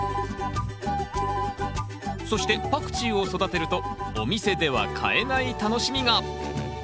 そしてパクチーを育てるとお店では買えない楽しみが！